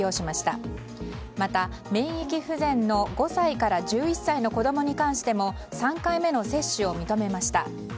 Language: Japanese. また、免疫不全の５歳から１１歳の子供に関しても３回目の接種を認めました。